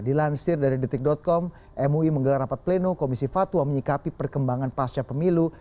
dilansir dari detik com mui menggelar rapat pleno komisi fatwa menyikapi perkembangan pasca pemilu